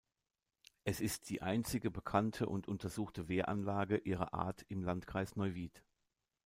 Es ist die einzige bekannte und untersuchte Wehranlage ihrer Art im Landkreis Neuwied.